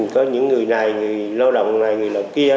có những người này người lao động này người kia